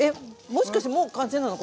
もしかしてもう完成なの？